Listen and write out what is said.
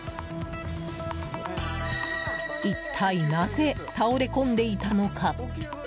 一体なぜ倒れ込んでいたのか？